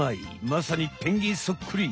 まさにペンギンそっくり。